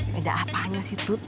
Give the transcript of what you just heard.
beda apanya sih tut